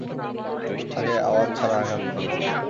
আরে, আওয়াজ ছাড়া আঘাত কর।